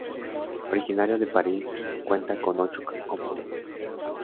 Originario de París, cuenta con ocho componentes.